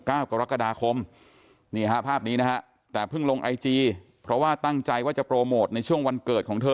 กรกฎาคมนี่ฮะภาพนี้นะฮะแต่เพิ่งลงไอจีเพราะว่าตั้งใจว่าจะโปรโมทในช่วงวันเกิดของเธอ